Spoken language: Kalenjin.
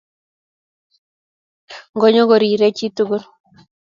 Ngonyo korirei chii tugul